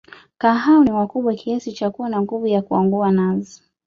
Kaa hao ni wakubwa Kiasi cha kuwa na nguvu ya kuangua nazi